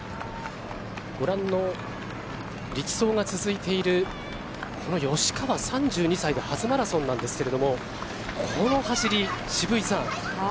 ご覧の力走が続いているこの吉川、３２歳で初マラソンなんですけれどもこの走り渋井さん。